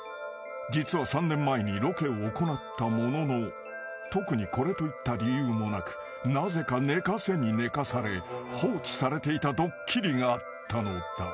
実は３年前にロケを行ったものの特にこれといった理由もなくなぜか寝かせに寝かされ放置されていたドッキリがあったのだ］